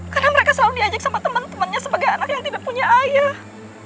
karena mereka selalu diajak sama temen temennya sebagai anak yang tidak punya ayah